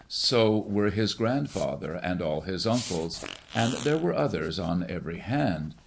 So were his grandfather and all his uncles. And there were others on every hand.